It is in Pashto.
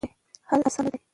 حل اسانه نه دی.